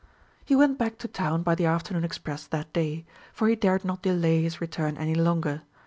He went back to town by the afternoon express that day, for he dared not delay his return any longer.